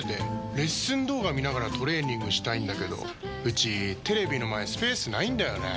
レッスン動画見ながらトレーニングしたいんだけどうちテレビの前スペースないんだよねー。